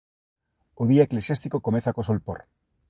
O día eclesiástico comeza co solpor.